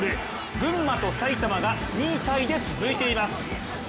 群馬と埼玉が２位タイで続いています。